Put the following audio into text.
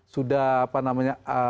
sudah apa namanya